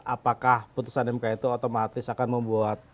apakah putusan mk itu otomatis akan membuat